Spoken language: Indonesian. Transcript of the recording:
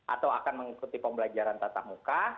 atau akan mengikuti pembelajaran tatap muka